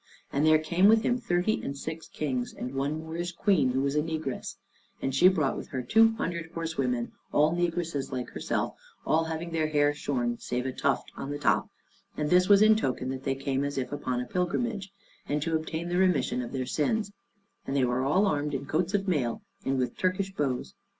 And there came with him thirty and six kings, and one Moorish queen, who was a negress, and she brought with her two hundred horsewomen, all negresses like herself, all having their hair shorn save a tuft on the top, and this was in token that they came as if upon a pilgrimage, and to obtain the remission of their sins; and they were all armed in coats of mail and with Turkish bows.